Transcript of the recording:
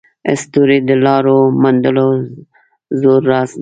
ستوري د لارو موندلو زوړ راز دی.